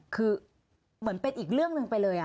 คือเหมือนเป็นอีกเรื่องหนึ่งไปเลย